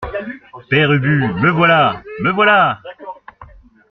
Père Ubu Me voilà ! me voilà !